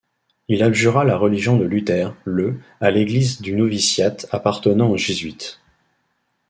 Il abjura la religion de Luther, le à l’église du noviciat appartenant aux jésuites.